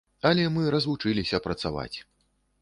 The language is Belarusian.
Але мы развучыліся працаваць.